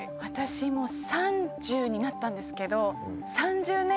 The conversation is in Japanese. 私もう３０になったんですけど。